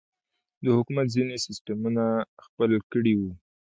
د حکومت ځينې سسټمونه خپل کړي وو.